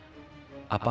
aku bisa menemukan dia